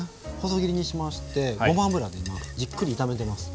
細切りにしましてごま油でじっくり炒めてます。